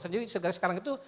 jadi sekarang itu